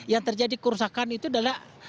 yang terjadi kerusakan itu adalah